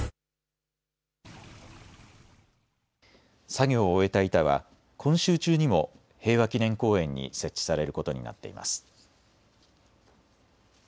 作業を終えた板は今週中にも平和祈念公園に設置されることになっています。